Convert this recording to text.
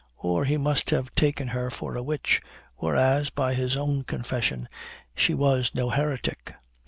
Or he must have taken her for a witch, whereas, by his own confession, she 'was no heretic.'